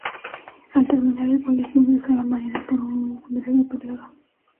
Al terminar el colegio ingresó a la marina por un breve período.